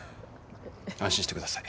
安心してください。